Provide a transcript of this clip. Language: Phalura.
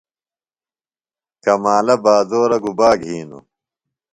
کمالہ بازورہ گُبا گِھینوۡ؟